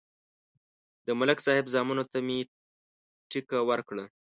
د ملک صاحب زامنو ته مې ټېکه ورکړه.